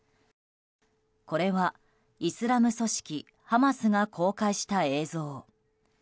これはイスラム組織ハマスが公開した映像。